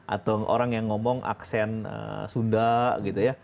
atau orang yang ngomong aksen sunda gitu ya